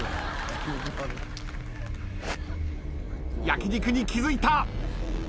焼き肉に気付いた。